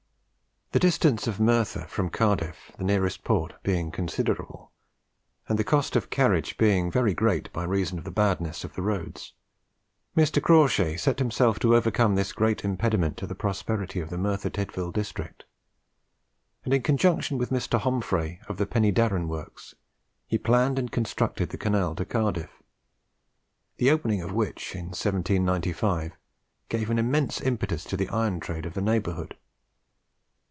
The distance of Merthyr from Cardiff, the nearest port, being considerable, and the cost of carriage being very great by reason of the badness of the roads, Mr. Crawshay set himself to overcome this great impediment to the prosperity of the Merthyr Tydvil district; and, in conjunction with Mr. Homfray of the Penydarran Works, he planned and constructed the canal to Cardiff, the opening of which, in 1795, gave an immense impetus to the iron trade of the neighbourhood.